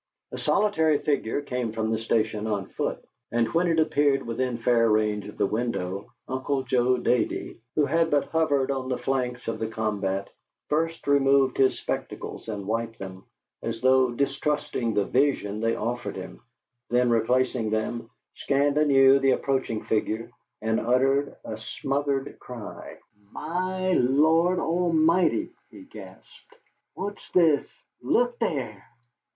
A solitary figure came from the station on foot, and when it appeared within fair range of the window, Uncle Joe Davey, who had but hovered on the flanks of the combat, first removed his spectacles and wiped them, as though distrusting the vision they offered him, then, replacing them, scanned anew the approaching figure and uttered a smothered cry. "My Lord A'mighty!" he gasped. "What's this? Look there!"